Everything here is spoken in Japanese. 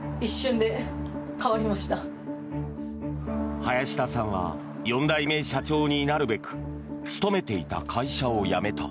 林田さんは４代目社長になるべく勤めていた会社を辞めた。